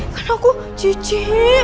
kan aku cici